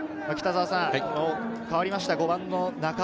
代わりました、５番の中尾。